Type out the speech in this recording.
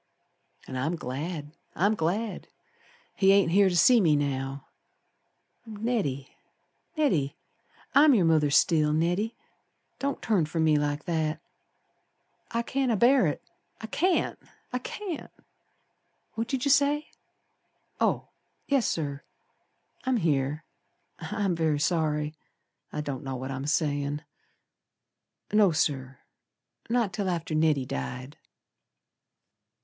And I'm glad! I'm glad! He ain't here to see me now. Neddy! Neddy! I'm your mother still, Neddy. Don't turn from me like that. I can't abear it. I can't! I can't! What did you say? Oh, yes, Sir. I'm here. I'm very sorry, I don't know what I'm sayin'. No, Sir, Not till after Neddy died.